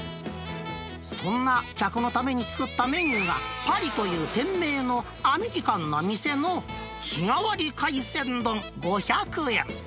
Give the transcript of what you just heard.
そんな、客のために作ったメニューが、パリという店名のアメリカンな店の日替わり海鮮丼５００円。